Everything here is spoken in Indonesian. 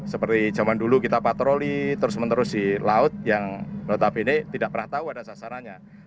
seperti zaman dulu kita patroli terus menerus di laut yang notabene tidak pernah tahu ada sasarannya